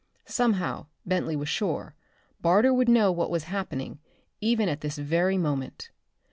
Somehow, Bentley was sure, Barter would know what was happening, even at this very moment.